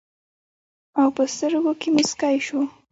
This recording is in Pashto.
او پۀ سترګو کښې مسکے شو